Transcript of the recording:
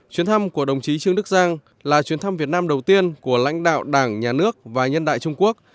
chuyến thăm của đồng chí trương đức giang là chuyến thăm việt nam đầu tiên của lãnh đạo đảng nhà nước và nhân đại trung quốc